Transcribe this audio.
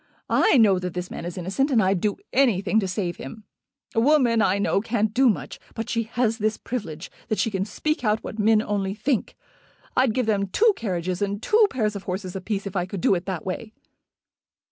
I know that this man is innocent, and I'd do anything to save him. A woman, I know, can't do much; but she has this privilege, that she can speak out what men only think. I'd give them two carriages and two pairs of horses a piece if I could do it that way."